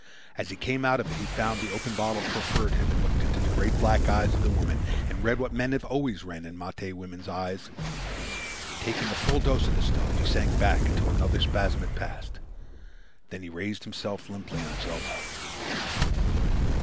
As he came out of it he found the open bottle proffered him, and looked into the great black eyes of the woman and read what men have always read in the Mate woman's eyes. Taking a full dose of the stuff, he sank back until another spasm had passed. Then he raised himself limply on his elbow.